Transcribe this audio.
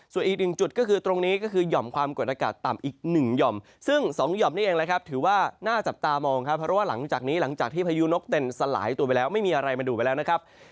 ส่วนอีกหนึ่งจุดก็คือตรงนี้ก็คือหย่อมความกดอากาศต่ำอีกหนึ่งหย่อมซึ่ง๒ห่อมนี้เองนะครับถือว่าน่าจับตามองครับเพราะว่าหลังจากนี้หลังจากที่พายุนกเต็นสลายตัวไปแล้วไม่มีอะไรมาดูดไปแล้วนะครับ